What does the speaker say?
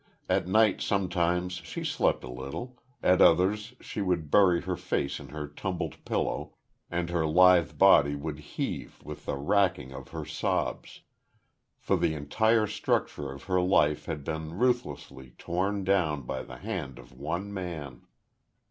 At night sometimes, she slept a little; at others she would bury her face in her tumbled pillow, and her lithe body would heave with the wracking of her sobs; for the entire structure of her life had been ruthlessly torn down by the hand of one man.